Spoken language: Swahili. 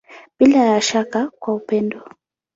Bila ya shaka kwa upendo.